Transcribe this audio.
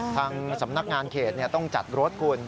ทางสำนักงานเขตต้องจัดรถคุณ